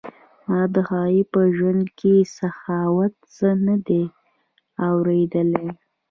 ما د هغوی په ژوند کې د سخاوت څه نه دي اوریدلي.